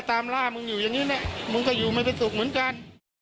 ตามล่ามึงอยู่อย่างนี้เนี่ยมึงก็อยู่ไม่เป็นสุขเหมือนกัน